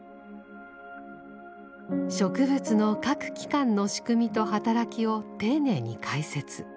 植物の各器官の仕組みと働きを丁寧に解説。